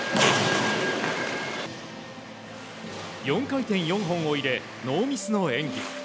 ４回転４本を入れノーミスの演技。